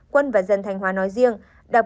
quân và dân thanh hóa nói riêng